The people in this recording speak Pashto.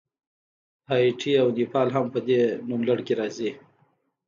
هایټي او نیپال هم په دې نوملړ کې راځي.